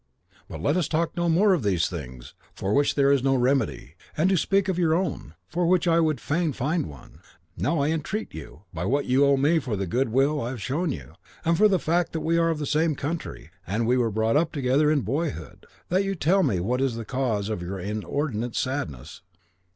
But let us talk no more of these thing's, for which there is no remedy, and speak of your own, for which I would fain find one. Now I entreat you, by what you owe me for the good will I have shown you, and for the fact that we are of the same country, and were brought up together in boyhood, that you tell me what is the cause of your inordinate sadness.